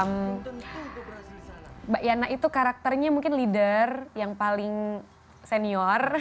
mbak yana itu karakternya mungkin leader yang paling senior